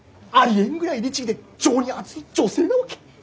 りえんぐらい律儀で情にあつい女性なわけ。